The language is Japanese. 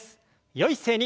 よい姿勢に。